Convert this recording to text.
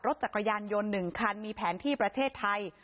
จักรยานยนต์๑คันมีแผนที่ประเทศไทย